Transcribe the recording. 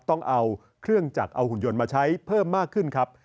ต้องเอาเครื่องจักรเอาหุ่นยนต์มาใช้เพิ่มมากขึ้นครับ